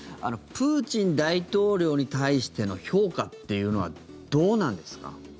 プーチン大統領に対しての評価っていうのはどうなんですか？